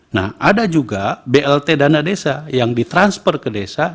nah ada juga blt dana desa yang ditransfer ke desa